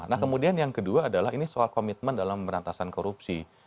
nah kemudian yang kedua adalah ini soal komitmen dalam pemberantasan korupsi